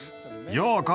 ようこそ。